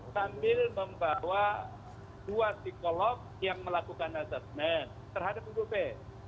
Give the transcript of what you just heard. sambil membawa dua psikolog yang melakukan asesmen terhadap ibu p